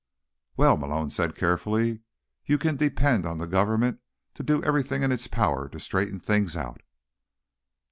"Well," Malone said carefully, "you can depend on the government to do everything in its power to straighten things out."